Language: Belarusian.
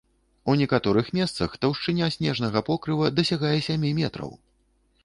У некаторых месцах таўшчыня снежнага покрыва дасягае сямі метраў!